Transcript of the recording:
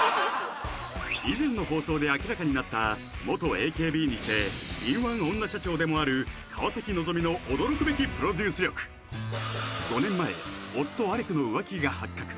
以前の放送で明らかになった元ＡＫＢにして敏腕女社長でもある川崎希の驚くべきプロデュース力５年前夫アレクの浮気が発覚